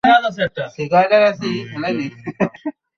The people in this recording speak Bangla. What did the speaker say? আমি যেন নিকষ কালো অন্ধকারের ভেতর তীব্র আলোর রশ্মি দেখতে পেলাম।